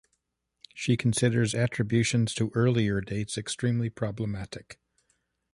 She considers attributions to earlier dates "extremely problematic".